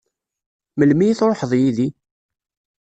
Melmi i tṛuḥeḍ yid-i?